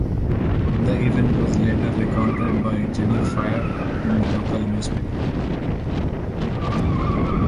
This event was later recounted by Jenny Frye in a local newspaper.